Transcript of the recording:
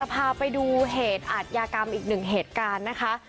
พาไปดูเหตุอาทยากรรมอีกหนึ่งเหตุการณ์นะคะ